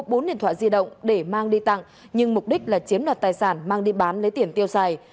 công an đã mua bốn điện thoại di động để mang đi tặng nhưng mục đích là chiếm lọt tài sản mang đi bán lấy tiền tiêu xài